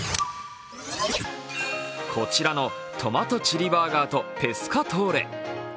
こちらのトマトチリバーガーとペスカトーレ。